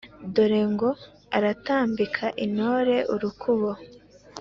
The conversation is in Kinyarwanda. Dore ngo aratambira intore urukubo,